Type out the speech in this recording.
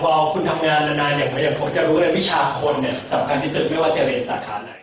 พอคุณทำงานนานอย่างพอจะรู้ว่าวิชาคนสำคัญที่สุดไม่ว่าจะเรียนสาขาไหน